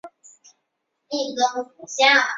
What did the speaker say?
布克托人口变化图示